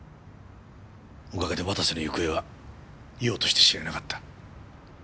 おかげで綿瀬の行方はようとして知れなかった。